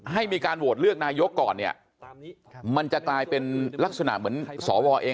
ให้มีการโหวตเลือกนายกก่อนเนี่ยมันจะกลายเป็นลักษณะเหมือนสวเอง